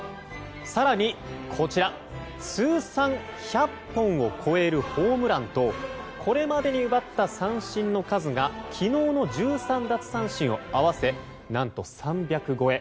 更にこちら、通算１００本を超えるホームランとこれまでに奪った三振の数が昨日の１３奪三振を合わせ何と、３００超え。